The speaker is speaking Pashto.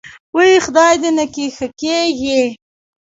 وۍ خدای دې نکي ښه کېږې.